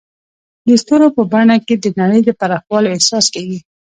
د ستورو په بڼه کې د نړۍ د پراخوالي احساس کېږي.